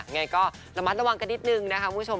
ไงก็ระมัดระวังกันนิดนึงนะคะคุณผู้ชม